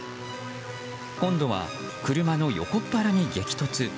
今度は、車の横っ腹に激突。